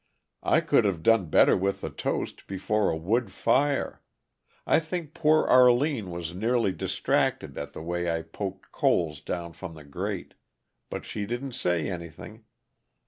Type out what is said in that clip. I could have done better with the toast before a wood fire I think poor Arline was nearly distracted at the way I poked coals down from the grate; but she didn't say anything.